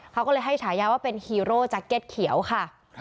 เขาก็เลยให้ฉายาว่าเป็นฮีโร่จากเก็ตเขียวค่ะ